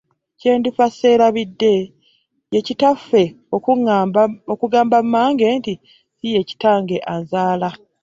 Kyendifa serabidde ye kitanfe okugamba mange nti siye kitenge anzaala.